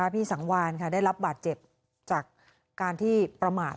สังวานได้รับบาดเจ็บจากการที่ประมาท